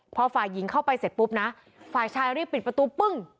พอฝ่ายหญิงเข้าไปเสร็จปุ๊บนะฝ่ายชายรีบปิดประตูปึ้ง